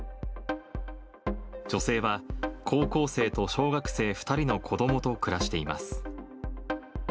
女性は、高校生と小学生２人の子どもと暮らしています。